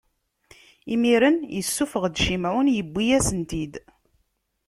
Imiren, issufɣ-d Cimɛun, iwwi-yasen-t-id.